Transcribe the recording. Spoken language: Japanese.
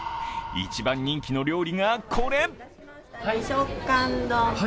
一番人気の料理がこれ。